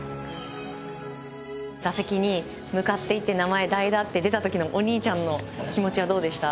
打席に向かって行って、名前、代打って出たときのお兄ちゃんの気持ちはどうでした？